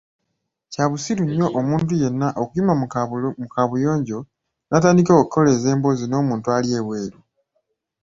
Kya busiru nnyo omuntu yenna okuyima mu kabuyonjo natandika okukoleeza emboozi n‘omuntu ali ebweru.